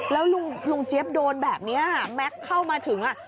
แล้วลุงเจี๊ยบโดนแบบนี้แม็กซ์เข้ามาถึง